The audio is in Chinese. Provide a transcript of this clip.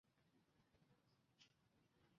普军主力环绕这个突出部成半圆形展开。